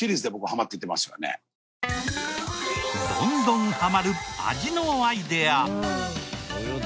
どんどんハマる味のアイデア。